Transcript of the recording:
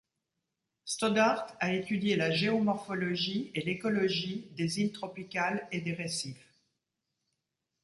Stoddart a étudié la géomorphologie et l'écologie des îles tropicales et des récifs.